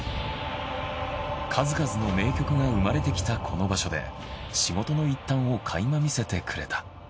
数々の名曲が生まれてきたこの場所で仕事の一端を垣間見せてくれた。